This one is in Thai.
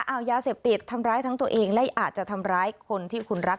เอายาเสพติดทำร้ายทั้งตัวเองและอาจจะทำร้ายคนที่คุณรัก